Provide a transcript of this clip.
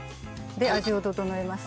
で味を調えます。